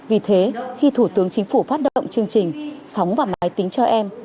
vì thế khi thủ tướng chính phủ phát động chương trình sóng và máy tính cho em